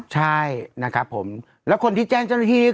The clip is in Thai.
หลักอย่าง